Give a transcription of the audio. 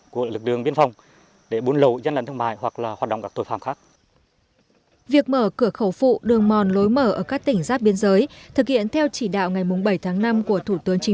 quán triệt tinh thần tuyệt đối không để lợi dụng việc mở cửa khẩu phụ này giúp người dân giao thương hàng hóa thuận lợi hơn